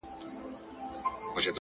او دده اوښكي لا په شړپ بهيدې ـ